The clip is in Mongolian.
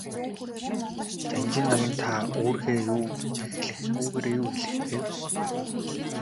Жанжин ноён та үүгээрээ юу хэлэх гээв?